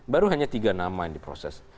baru hanya tiga nama yang diproses